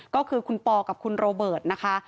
ก็คือคุณปอกับคุณโรเบิร์ตนะคะ